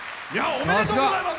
おめでとうございます。